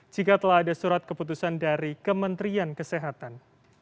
jika telah ada surat keputusan dari kementerian kesehatan